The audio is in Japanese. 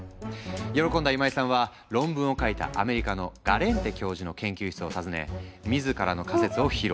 喜んだ今井さんは論文を書いたアメリカのガレンテ教授の研究室を訪ね自らの仮説を披露。